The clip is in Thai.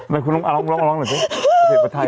มาคุณอุ๋ยร้องเลยนะประเทศประไทย